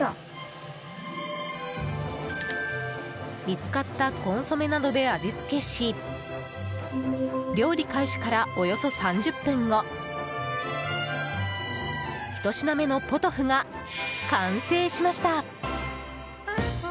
見つかったコンソメなどで味付けし料理開始からおよそ３０分後ひと品目のポトフが完成しました。